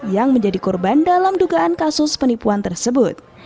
yang menjadi korban dalam dugaan kasus penipuan tersebut